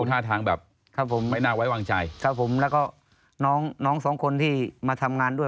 ท่าทางแบบครับผมไม่น่าไว้วางใจครับผมแล้วก็น้องน้องสองคนที่มาทำงานด้วย